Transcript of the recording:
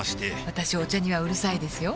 私お茶にはうるさいですよ